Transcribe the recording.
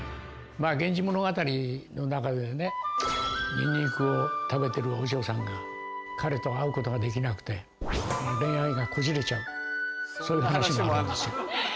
ニンニクを食べてるお嬢さんが彼と会うことができなくて恋愛がこじれちゃうそういう話もあるんですよ。